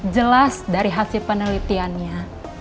jelas dari hasil penelitiannya